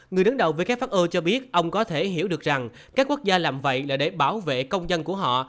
người đứng đầu who cho biết ông có thể hiểu được rằng các quốc gia làm vậy là để bảo vệ công dân của họ